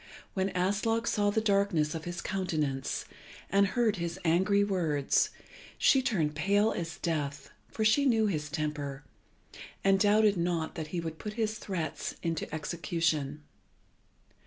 When Aslog saw the darkness of his countenance, and heard his angry words, she turned pale as death, for she knew his temper, and doubted not that he would put his threats into execution.